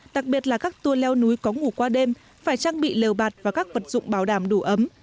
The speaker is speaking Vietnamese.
đặc biệt là các tour leo núi có ngủ qua đêm phải trang bị lều bạt và các vật dụng bảo đảm đủ ấm